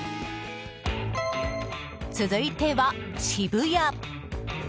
続いては渋谷。